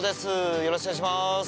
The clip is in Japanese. よろしくお願いします。